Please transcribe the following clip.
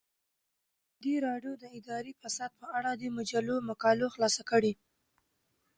ازادي راډیو د اداري فساد په اړه د مجلو مقالو خلاصه کړې.